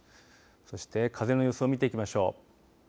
そして風の予想を見ていきましょう。